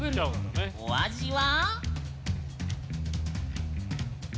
お味は？